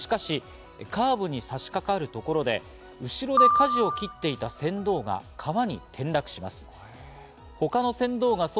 しかしカーブに差し掛かるところで、後ろで、かじを切っていた船頭が川に転落します。